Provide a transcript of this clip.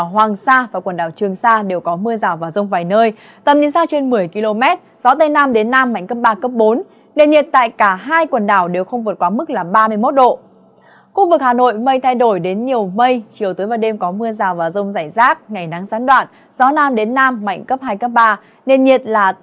hãy đăng ký kênh để ủng hộ kênh của chúng mình nhé